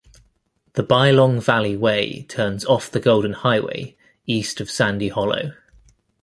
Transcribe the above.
The Bylong Valley Way turns off the Golden Highway east of Sandy Hollow.